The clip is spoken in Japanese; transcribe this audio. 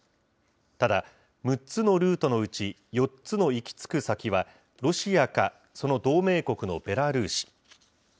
ただ、６つのルートのうち４つの行き着く先は、ロシアかその同盟国のベラルーシ。